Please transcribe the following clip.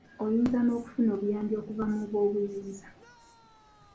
Ozinya n’okufuna obuyambi okuva mu boobuyinza.